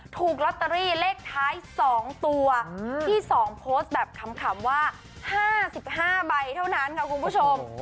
ถูกลอตเตอรี่เลขท้าย๒ตัวที่๒โพสต์แบบขำว่า๕๕ใบเท่านั้นค่ะคุณผู้ชม